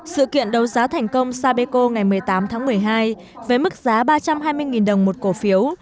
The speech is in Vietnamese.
sự kiện đấu giá thành công sapeco ngày một mươi tám tháng một mươi hai với mức giá ba trăm hai mươi đồng một cổ phiếu